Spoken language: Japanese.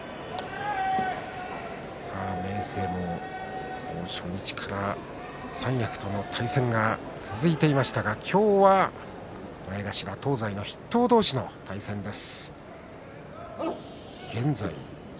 明生も初日から三役との対戦が続いていましたが今日は前頭、東西の筆頭同士の対戦です。